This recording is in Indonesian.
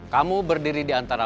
kamu berdiri di antara